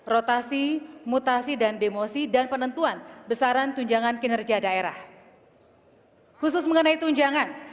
rotasi mutasi dan demosi dan penentuan besaran tunjangan kinerja daerah khusus mengenai tunjangan